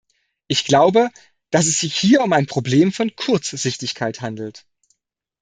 Ich glaube, dass es sich hier um ein Problem von Kurzsichtigkeit handelt.